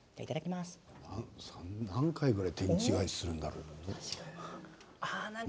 何回ぐらい天地返しするんだろう